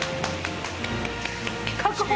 確保！